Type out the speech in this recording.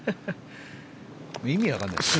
意味分かんないですね。